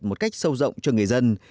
một cách sâu rộng cho người dân